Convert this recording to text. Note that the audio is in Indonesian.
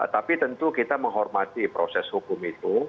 tapi tentu kita menghormati proses hukum itu